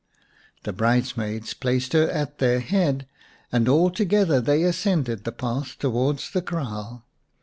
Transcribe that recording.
The bridesmaids placed her at their head, and all together they ascended the path towards the kraal.